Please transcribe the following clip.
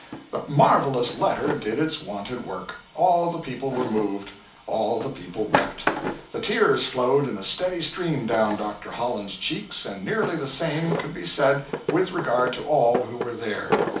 The marvelous letter did its wonted work; all the people were moved, all the people wept; the tears flowed in a steady stream down Dr. Holland's cheeks, and nearly the same can be said with regard to all who were there.